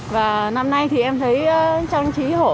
và năm nay em thấy trang trí hổ